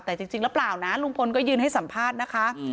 แต่จริงหรือเปล่านะลุงพลก็ยืนให้สัมภาษณ์นะคะ